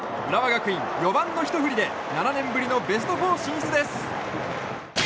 浦和学院、４番のひと振りで７年ぶりのベスト４進出です。